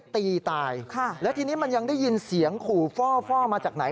ตีตายแล้วทีนี้มันยังได้ยินเสียงขู่ฟ่อมาจากไหน